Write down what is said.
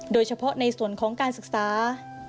โดยเฉพาะในส่วนของการศึกษา